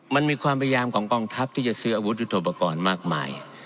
มันมีความพยายามของกองทัพที่จะซื้ออาวุธยุทธโปรกรณ์มากมาย